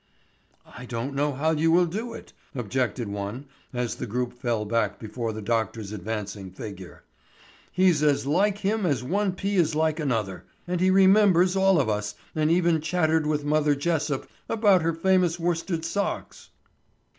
"I don't know how you will do it," objected one, as the group fell back before the doctor's advancing figure. "He's as like him as one pea is like another, and he remembers all of us and even chattered with Mother Jessup about her famous worsted socks."